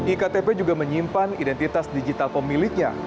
iktp juga menyimpan identitas digital pemiliknya